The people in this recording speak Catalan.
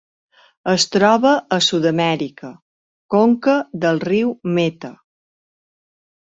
Es troba a Sud-amèrica: conca del riu Meta.